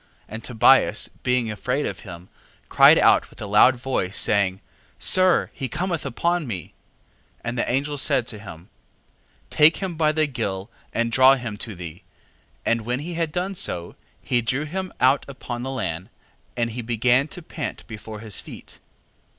6:3. And Tobias being afraid of him, cried out with a loud voice, saying: Sir, he cometh upon me. 6:4. And the angel said to him: Take him by the gill, and draw him to thee. And when he had done so, he drew him out upon the land, and he began to pant before his feet.